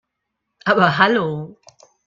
Aber hallo!